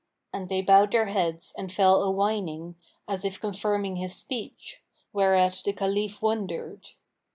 and they bowed their heads and fell a whining, as if confirming his speech; whereat the Caliph wondered).